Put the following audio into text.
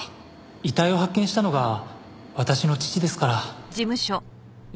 遺体を発見したのが私の父ですから。